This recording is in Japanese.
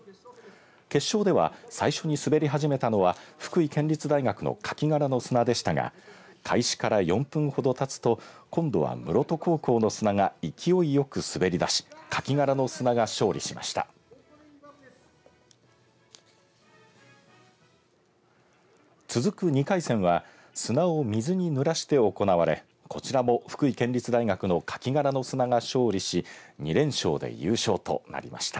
決勝では最初に滑り始めたのは福井県立大学のかき殻の砂でしたが開始から４分ほどたつと今度は室戸高校の砂が勢いよく滑り出しかき殻の砂が勝利しました。